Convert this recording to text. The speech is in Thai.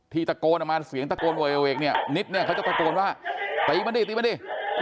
ตะโกนออกมาเสียงตะโกนโวยเวกเนี่ยนิดเนี่ยเขาจะตะโกนว่าตีมาดิตีมาดิ